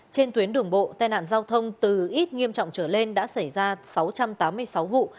trên tuyến đường bộ tai nạn giao thông từ ít nghiêm trọng trở lên đã xảy ra sáu trăm tám mươi sáu vụ